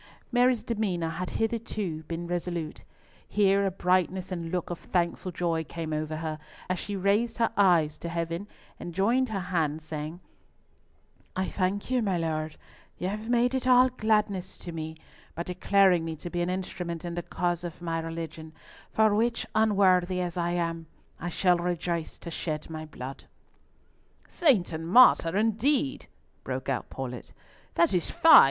Mary's demeanour had hitherto been resolute. Here a brightness and look of thankful joy came over her, as she raised her eyes to Heaven and joined her hands, saying, "I thank you, my lord; you have made it all gladness to me, by declaring me to be an instrument in the cause of my religion, for which, unworthy as I am, I shall rejoice to shed my blood." "Saint and martyr, indeed!" broke out Paulett. "That is fine!